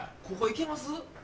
ここ行けます？